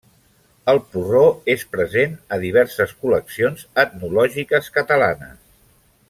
El porró és present a diverses col·leccions etnològiques catalanes.